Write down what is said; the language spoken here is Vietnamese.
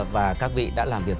và các vị đã làm việc